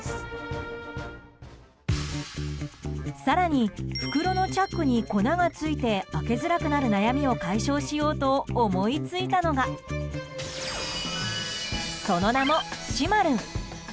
更に袋のチャックに粉がついて開けづらくなる悩みを解消しようと思いついたのがその名も、しまるん。